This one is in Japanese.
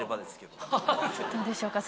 どうでしょうか？